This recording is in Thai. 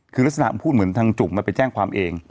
คือลักษณะพูดเหมือนทางจุกมันไปแจ้งความเอง